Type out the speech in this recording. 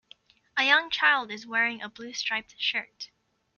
A young child is wearing a blue striped shirt.